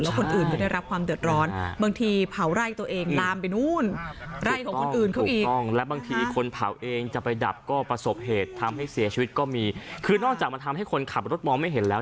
แล้วคนอื่นก็ได้รับความเดือดร้อน